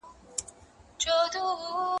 زه به د ژبي تمرين کړی وي..